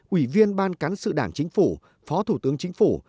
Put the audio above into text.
ủy viên ban cán sự đảng chính phủ phó thủ tướng chính phủ